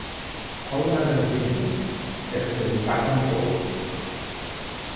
Holman and Higgins exchange back and forth.